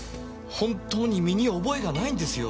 本当に身に覚えがないんですよ。